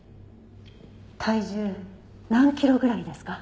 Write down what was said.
体重何キロぐらいですか？